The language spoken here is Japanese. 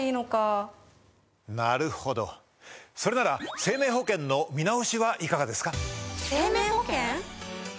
なるほどそれなら生命保険の見直しはいかがですか？